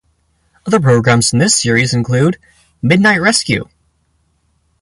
Other programs in this series include Midnight Rescue!